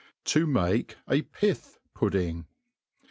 To make a Pith Pudding.